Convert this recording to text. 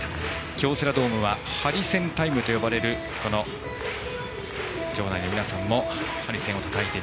京セラドームはハリセンタイムと呼ばれる場内の皆さんもハリセンをたたいて